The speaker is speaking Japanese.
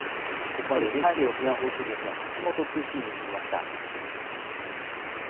ここまでＮＨＫ沖縄放送局の橋本通信員に聞きました。